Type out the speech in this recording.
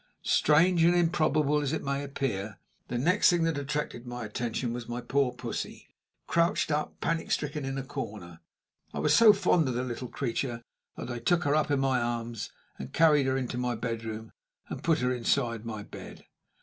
Strange and improbable as it may appear, the next thing that attracted my attention was my poor pussy, crouched up, panic stricken, in a corner. I was so fond of the little creature that I took her up in my arms and carried her into my bedroom and put her inside my bed.